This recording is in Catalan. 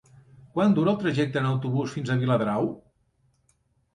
Quant dura el trajecte en autobús fins a Viladrau?